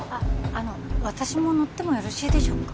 あの私も乗ってもよろしいでしょうか？